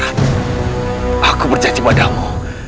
aku berjanji padamu